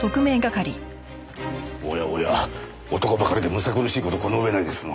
おやおや男ばかりでむさ苦しい事この上ないですな。